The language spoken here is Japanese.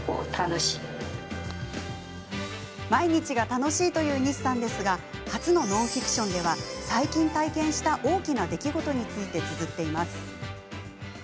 毎日が楽しいという西さんですが初のノンフィクションでは最近、体験した大きな出来事についてつづっています。